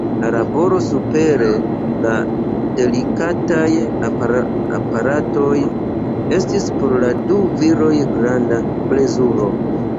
La laboro super la delikataj aparatoj estis por la du viroj granda plezuro.